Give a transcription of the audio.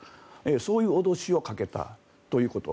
そういう脅しをかけたということ。